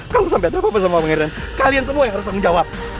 kalau sampai ada apa apa sama pangeran kalian semua yang harus tanggung jawab